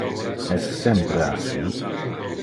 Es sempre assi?